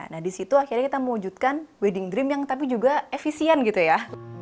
nah disitu akhirnya kita mewujudkan wedding dream yang tapi juga efisien gitu ya